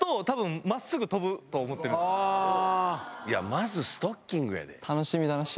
まずストッキングやで。